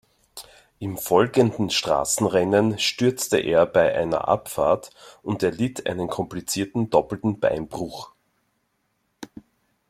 Im folgenden Straßenrennen stürzte er bei einer Abfahrt und erlitt einen komplizierten, doppelten Beinbruch.